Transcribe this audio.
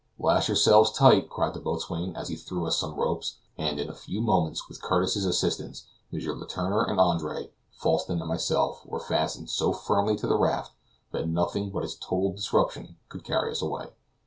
"Lash yourselves tight," cried the boatswain, as he threw us some ropes; and in a few moments with Curtis's assistance, M. Letourneur, and Andre, Falsten and myself were fastened so firmly to the raft, that nothing but its total disruption could carry us away.